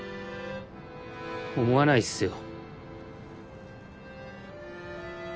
思わないっすよ。